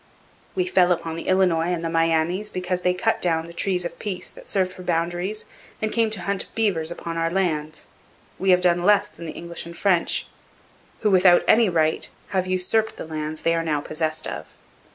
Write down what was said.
We fell upon the Illinois and the Miamis because they cut down the trees of peace that served for boundaries and came to hunt beavers upon our lands. ...We have done less than the English and French, who without any right have usurped the lands they are now possessed of.